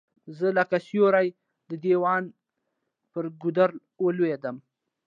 زه لکه سیوری د دیدن پر گودر ولوېدلم